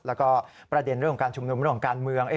และประเด็นเรื่องการชุมนุมและการเมือง